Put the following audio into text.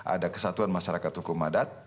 ada kesatuan masyarakat hukum adat